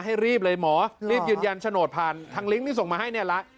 ให้รีบเลยหมอรีบยืนยันโฉนดผ่านทางลิงก์ที่ส่งมาให้เนี่ยละ